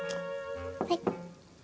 はい。